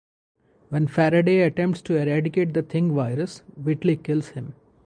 When Faraday attempts to eradicate the Thing virus, Whitley kills him.